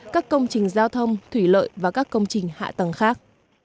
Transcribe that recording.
các công trình giao thông thủy lợi và các công trình hạ tầng khác